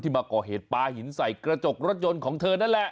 มาก่อเหตุปลาหินใส่กระจกรถยนต์ของเธอนั่นแหละ